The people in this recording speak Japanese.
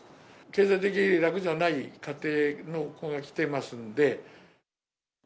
経済的に楽じゃない家庭の子が来てますんで。